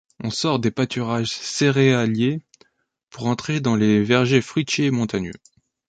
On sort des pâturages céréaliers pour entrer dans les vergers fruitiers montagneux.